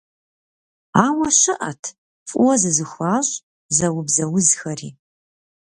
Ауэ щыӏэт фӏыуэ зызыхуащӏ, зэубзэ узхэри.